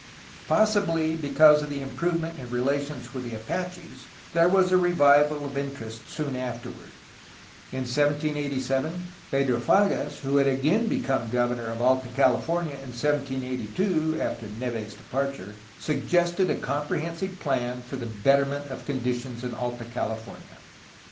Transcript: Possibly because of the improvement in relations with the Apaches, there was a revival of interest soon afterward. In 1787 Pedro Fages, THE AFTERMATH 349 whojhad again become governor of Alta California in 1782 (after Neve's departure), suggested a comprehensive plan for the betterment of conditions in Alta California.